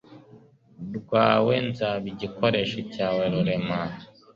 rwawe, nzaba igikoresho cyawe rurema